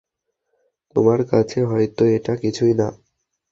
তোমার কাছে হয়তো এটা কিছুই না।